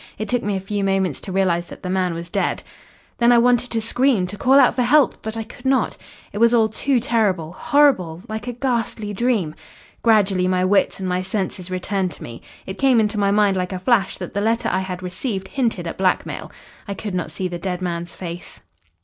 It took me a few moments to realise that the man was dead. "Then I wanted to scream, to call out for help, but I could not. It was all too terrible horrible like a ghastly dream. Gradually my wits and my senses returned to me. It came into my mind like a flash that the letter I had received hinted at blackmail. I could not see the dead man's face."